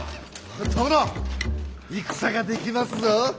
殿戦ができますぞ！